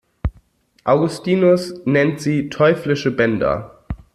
Augustinus nennt sie "teuflische Bänder".